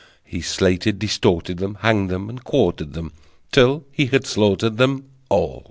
He slated, distorted them, Hanged them and quartered them, Till he had slaughtered them All.